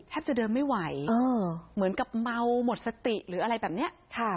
จะเดินไม่ไหวเหมือนกับเมาหมดสติหรืออะไรแบบนี้